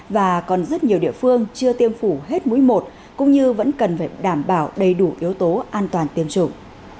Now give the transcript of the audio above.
và còn rất nhiều địa phương chưa tiêm phủ hết mũi một cũng như vẫn cần phải đảm bảo đầy đủ yếu tố an toàn tiêm chủng